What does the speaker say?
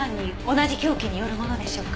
同じ凶器によるものでしょうか？